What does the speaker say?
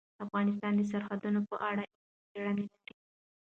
افغانستان د سرحدونه په اړه علمي څېړنې لري.